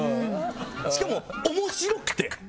しかも面白くて？